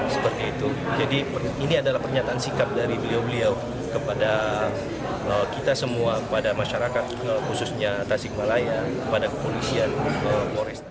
seperti itu jadi ini adalah pernyataan sikap dari beliau beliau kepada kita semua kepada masyarakat khususnya tasikmalaya kepada kepolisian